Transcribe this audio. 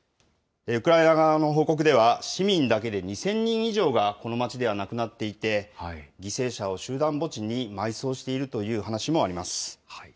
ウクライナ側の報告では、市民だけで２０００人以上がこの街では亡くなっていて、犠牲者を集団墓地に埋葬しているという話もあります。